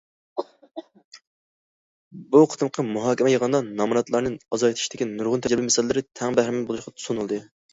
بۇ قېتىمقى مۇھاكىمە يىغىنىدا، نامراتلارنى ئازايتىشتىكى نۇرغۇن تەجرىبە مىساللىرى تەڭ بەھرىمەن بولۇشقا سۇنۇلدى.